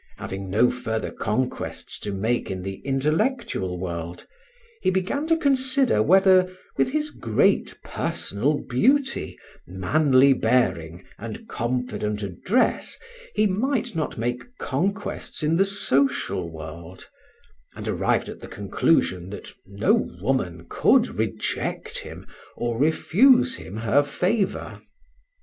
Having no further conquests to make in the intellectual world, he began to consider whether, with his great personal beauty, manly bearing, and confident address, he might not make conquests in the social world, and arrived at the conclusion that no woman could reject him or refuse him her favor.